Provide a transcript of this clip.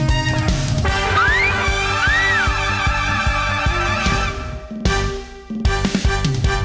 สวัสดีค่ะแอร์ฟันธิราค่ะ